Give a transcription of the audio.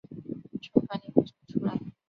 从房里跑了出来